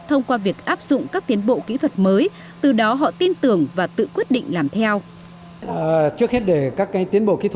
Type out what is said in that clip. thông qua việc áp dụng các tiến bộ kỹ thuật mới